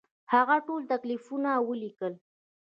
هغه ټول تکلیفونه ولیکل.